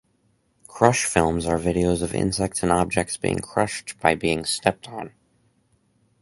Crush films are videos of insects and objects being crushed by being stepped on.